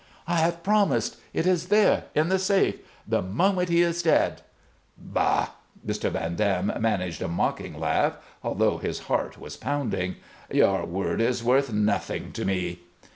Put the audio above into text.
"I have promised! It is there in the safe. The moment he is dead " "Bah!" Mr. Van Dam managed a mocking laugh, although his heart was pounding. "Your word is worth nothing to me."